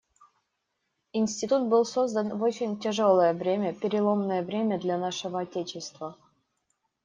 Институт был создан в очень тяжелое время, переломное время для нашего отечества.